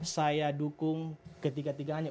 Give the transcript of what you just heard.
saya dukung ketiga tiganya